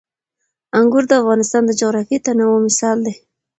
انګور د افغانستان د جغرافیوي تنوع مثال دی.